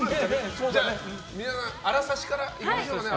皆さんあら刺から、いきましょうね。